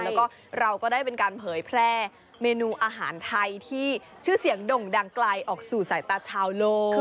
แล้วก็เราก็ได้เป็นการเผยแพร่เมนูอาหารไทยที่ชื่อเสียงด่งดังไกลออกสู่สายตาชาวโลก